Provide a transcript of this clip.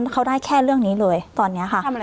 เขาได้แค่เรื่องนี้เลยตอนนี้ค่ะ